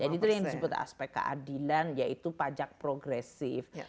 jadi itu yang disebut aspek keadilan yaitu pajak progresif